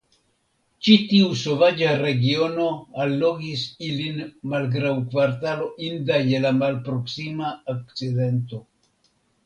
Ĉi tiu sovaĝa regiono allogis ilin malgraŭ kvartalo inda je la Malproksima Okcidento.